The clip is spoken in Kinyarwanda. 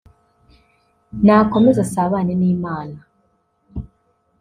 nakomeze asabane n’Imana